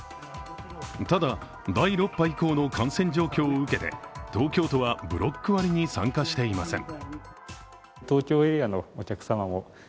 ただ、第６波以降の感染状況を受けて東京都はブロック割に参加していません。